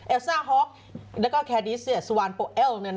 ซ่าฮ็อกแล้วก็แคดิสสุวานโปเอล